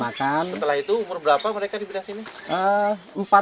makan setelah itu umur berapa mereka diberi sini